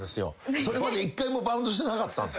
それまで一回もバウンドしてなかったんです。